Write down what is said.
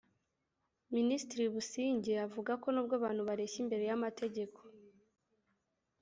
Minisitiri Busingye avuga ko nubwo abantu bareshya imbere y’amategeko